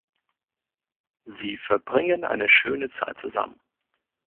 Sie verbringen eine schöne Zeit zusammen.